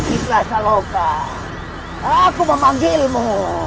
ah si klasa loka aku memanggilmu